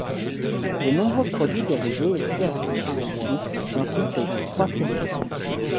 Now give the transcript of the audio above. De nombreux produits dérivés firent suite, ainsi que trois téléfilms.